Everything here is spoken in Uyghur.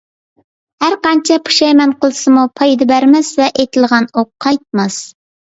ھەرقانچە پۇشايمان قىلسىمۇ پايدا بەرمەس ۋە ئېتىلغان ئوق قايتماس.